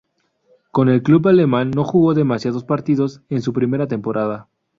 Con el club alemán no jugó demasiados partidos en su primera temporada.